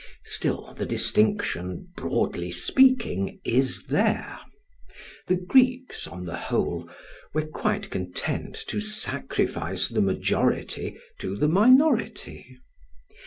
Still, the distinction, broadly speaking, is there. The Greeks, on the whole, were quite content to sacrifice the majority to the minority.